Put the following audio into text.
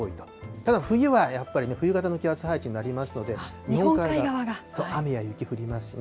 ただ冬はやっぱりね、冬型の気圧配置になりますので、日本海側が雨や雪降りますね。